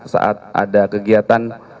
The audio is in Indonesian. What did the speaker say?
saat ada kegiatan